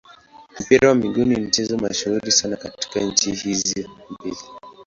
Mpira wa miguu ni mchezo mashuhuri sana katika nchi hizo mbili.